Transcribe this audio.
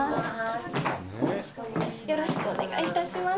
よろしくお願いします。